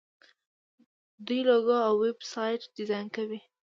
دوی لوګو او ویب سایټ ډیزاین کوي.